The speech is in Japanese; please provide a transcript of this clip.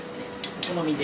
お好みで。